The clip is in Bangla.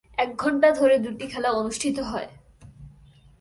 এক ঘন্টা ধরে দুটি খেলা অনুষ্ঠিত হয়।